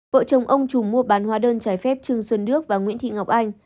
vợ chồng ông trùm mua bán hóa đơn trải phép trương xuân đức và nguyễn thị ngọc anh